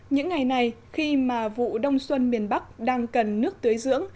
những ngày này khi mà vụ đông xuân miền bắc đang cần nước tưới dưỡng